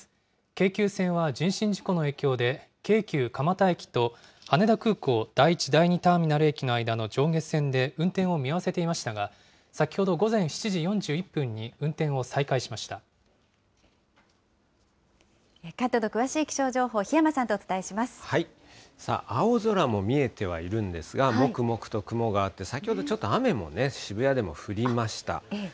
京急線は人身事故の影響で京急蒲田駅と羽田空港第１第２ターミナル駅の間の上下線で運転を見合わせていましたが、先ほど午前７時関東の詳しい気象情報、檜山さあ、青空も見えてはいるんですが、もくもくと雲があって、先ほど、ちょっと雨も渋谷でも降りました。